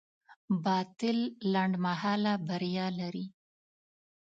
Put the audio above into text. باطل لنډمهاله بریا لري.